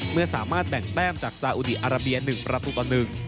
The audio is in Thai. เมื่อสามารถแบ่งแต้มจากซาอุดีอาราเบีย๑ประตูต่อ๑